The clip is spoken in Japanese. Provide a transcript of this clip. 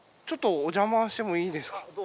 ちょっとおじゃましてもいいですか？